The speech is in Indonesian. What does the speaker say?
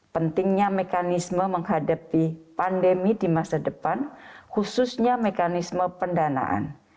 pentingnya mekanisme menghadapi pandemi di masa depan khususnya mekanisme pendanaan